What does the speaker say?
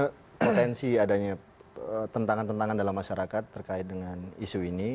ada potensi adanya tentangan tentangan dalam masyarakat terkait dengan isu ini